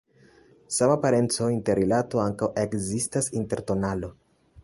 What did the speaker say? Sama parenco-interrilato ankaŭ ekzistas inter tonalo.